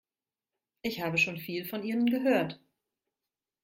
Ich habe schon viel von Ihnen gehört.